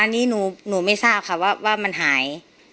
อันนี้หนูไม่ทราบค่ะว่ามันหาย